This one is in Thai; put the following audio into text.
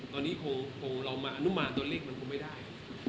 ตอนนี้คงเรามาอนุมานตัวเลขมันคงไม่ได้